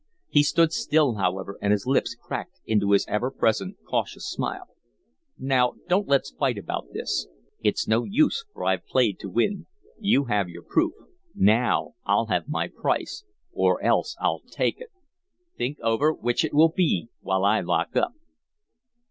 He stood still, however, and his lips cracked into his ever present, cautious smile. "Now, don't let's fight about this. It's no use, for I've played to win. You have your proof now I'll have my price or else I'll take it. Think over which it will be, while I lock up."